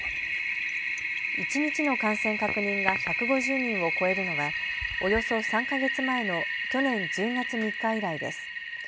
一日の感染確認が１５０人を超えるのはおよそ３か月前の去年１０月３日以来です。